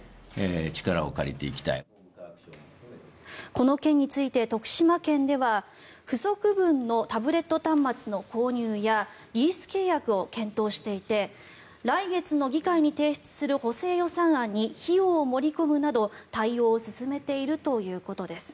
この件について、徳島県では不足分のタブレット端末の購入やリース契約を検討していて来月の議会に提出する補正予算案に費用を盛り込むなど対応を進めているということです。